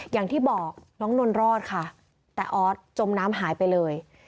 อย่างที่บอกน้องนนทรอดค่ะแต่ออสจมน้ำหายไปเลย